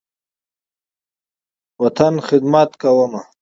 وطن، خدمت کومه